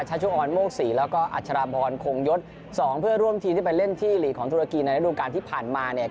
ชุออนโมกศรีแล้วก็อัชราพรคงยศ๒เพื่อร่วมทีมที่ไปเล่นที่หลีกของตุรกีในระดูการที่ผ่านมาเนี่ย